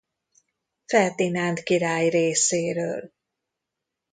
Ferdinánd király részéről.